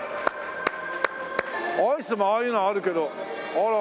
アイスもああいうのあるけどあらあら。